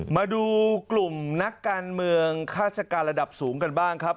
มาดูกลุ่มนักการเมืองฆาตการระดับสูงกันบ้างครับ